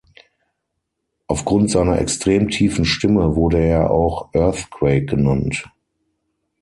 Aufgrund seiner extrem tiefen Stimme wurde er auch "Earthquake" genannt.